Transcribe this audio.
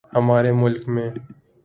ہمارے ملک میں